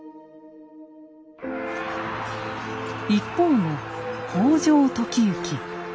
一方の北条時行。